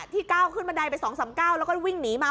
ก้าวขึ้นบันไดไป๒๓๙แล้วก็วิ่งหนีมา